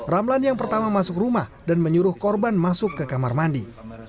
ramlan yang pertama masuk rumah dan menyuruh korban masuk ke kamar mandi